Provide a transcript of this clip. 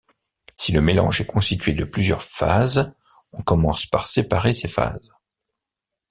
Si le mélange est constitué de plusieurs phases, on commence par séparer ces phases.